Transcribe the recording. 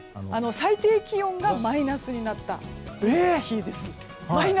最低気温がマイナスになった日です。